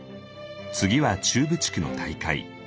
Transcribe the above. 次は中部地区の大会。